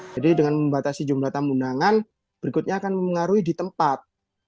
jadi dengan membatasi jumlah tamu undangan berikutnya akan mengaruhi di tempat